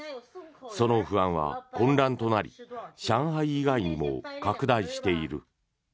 その不安は混乱となり上海以外にも拡大している。